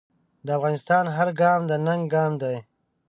د افغان هر ګام د ننګ ګام دی.